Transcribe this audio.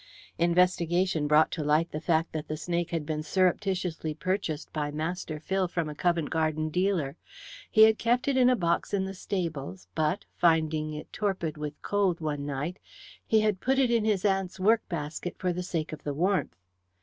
Investigation brought to light the fact that the snake had been surreptitiously purchased by Master Phil from a Covent Garden dealer. He had kept it in a box in the stables, but, finding it torpid with cold one night, he had put it in his aunt's work basket for the sake of the warmth.